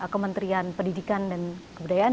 kementerian pendidikan dan kebudayaan